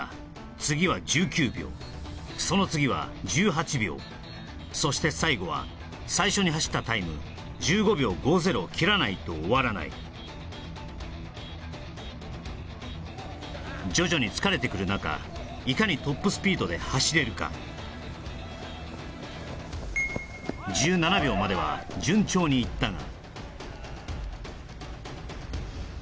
次は１９秒その次は１８秒そして最後は最初に走ったタイム１５秒５０を切らないと終わらない徐々に疲れてくるなかいかにトップスピードで走れるか１７秒までは順調にいったが